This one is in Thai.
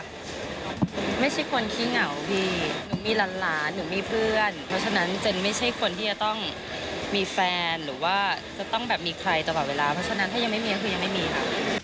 เพราะฉะนั้นถ้ายังไม่มีก็คือยังไม่มีค่ะ